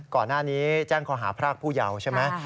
ก่อนหน้านี้แจ้งข้อหาพรากผู้เยาว์ใช่ไหม